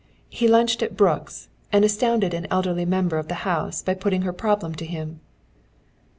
He lunched at Brooks', and astounded an elderly member of the House by putting her problem to him.